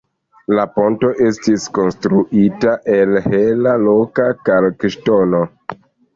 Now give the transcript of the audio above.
La ponto estis konstruita el hela, loka kalkŝtono.